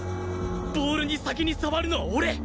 ボールに先に触るのは俺